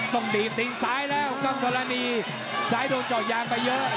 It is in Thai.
ตองบีบกินซ้ายแล้วกล้องทรานีซ้ายต้องจอกยางอีกเพราะเค้าเจอก็เยอะ